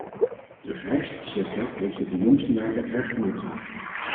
De rijstsector heeft het de jongste jaren erg moeilijk gehad.